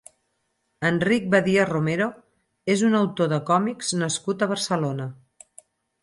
Enric Badia Romero és un autor de còmics nascut a Barcelona.